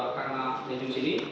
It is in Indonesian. karena di ujung sini